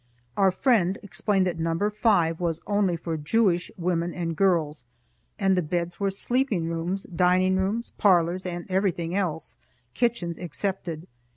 Our friend explained that Number Five was only for Jewish women and girls, and the beds were sleeping rooms, dining rooms, parlors, and everything else, kitchens excepted.